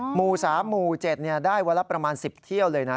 หมู่๓หมู่๗ได้วันละประมาณ๑๐เที่ยวเลยนะ